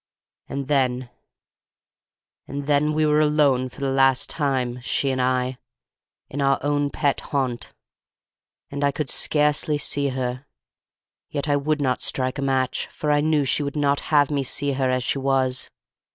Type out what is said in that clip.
And then—and then—we were alone for the last time, she and I, in our own pet haunt; and I could scarcely see her, yet I would not strike a match, for I knew she would not have me see her as she was.